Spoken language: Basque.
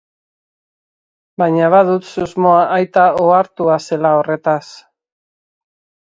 Baina badut susmoa aita ohartua zela horretaz.